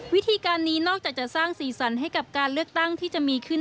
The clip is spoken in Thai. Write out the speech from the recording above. วิธีการนี้นอกจากจะสร้างสีสันให้กับการเลือกตั้งที่จะมีขึ้น